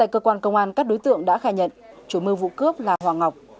các đối tượng đã khai nhận chủ mưu vụ cướp là hoàng ngọc